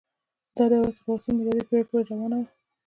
دا دوره تر اوولسمې میلادي پیړۍ پورې روانه وه.